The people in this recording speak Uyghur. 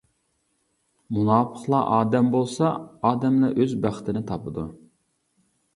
مۇناپىقلار ئادەم بولسا ئادەملەر ئۆز بەختىنى تاپىدۇ.